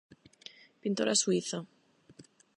Pintora suíza.